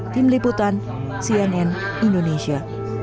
tim liputan cnn indonesia